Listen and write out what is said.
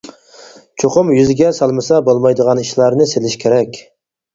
چوقۇم يۈزىگە سالمىسا بولمايدىغان ئىشلارنى سېلىش كېرەك.